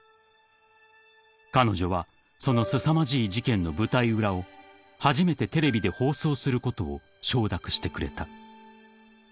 ［彼女はそのすさまじい事件の舞台裏を初めてテレビで放送することを承諾してくれた］